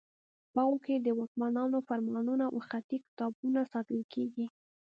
په هغو کې د واکمنانو فرمانونه او خطي کتابونه ساتل کیږي.